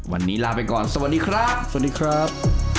วันนี้ลาไปก่อนสวัสดีครับ